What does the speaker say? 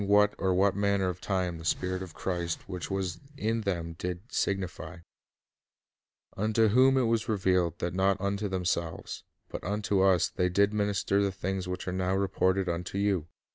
6 Isa. 6 1 : IS; 54 : 1 4. History and Prophecy 183 what, or what manner of time the Spirit of Christ which was in them did signify. ... Unto whom it was revealed, that not unto themselves, but unto us they did minister the things which are now reported unto you